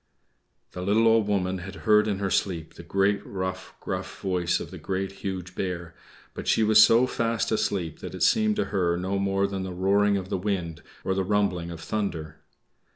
The little Old Woman had heard in her sleep the great, rough, gruff voice of the Great, Huge Bear, but she was so fast asleep that it seemed to her no more than the roaring of the wind, or the rumbling of thunder.